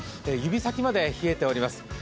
指先まで冷えております。